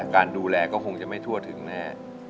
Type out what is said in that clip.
การดูแลก็คงจะไม่ทั่วถึงแน่